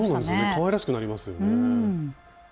かわいらしくなりますよね。